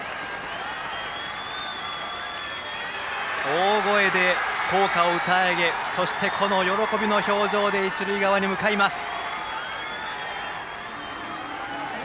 大声で校歌を歌い上げそして、この喜びの表情で一塁側に向かいます。